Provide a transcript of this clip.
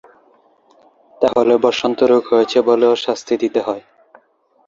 তাহলে বসন্ত রোগ হয়েছে বলেও শাস্তি দিতে হয়।